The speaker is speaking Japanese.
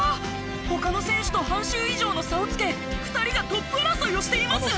他の選手と半周以上の差をつけ２人がトップ争いをしています。